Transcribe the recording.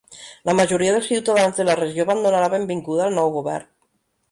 La majoria dels ciutadans de la regió van donar la benvinguda al nou govern.